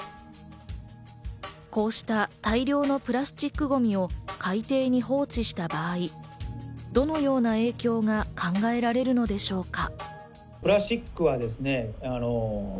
こうした大量のプラスチックゴミを海底に放置した場合、どのような影響が考えられるのでしょうか？